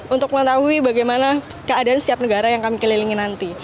untuk mengetahui bagaimana keadaan setiap negara yang kami kelilingi nanti